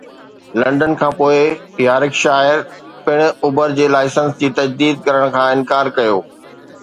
London کان پوء، Yorkshire پڻ Uber جي لائسنس جي تجديد ڪرڻ کان انڪار ڪيو